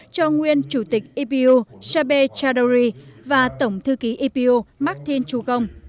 cho nguyên chủ tịch ipu shabé chadori và tổng thư ký ipu martin chugong